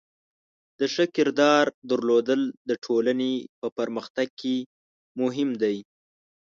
د ښه کردار درلودل د ټولنې په پرمختګ کې مهم دی.